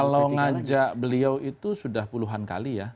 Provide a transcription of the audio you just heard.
kalau ngajak beliau itu sudah puluhan kali ya